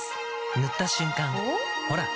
塗った瞬間おっ？